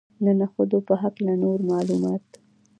د نخودو په هکله نور معلومات.